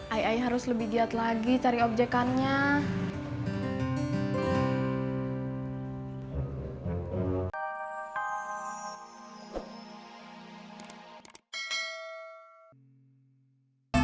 ai harus lebih diat lagi cari objekannya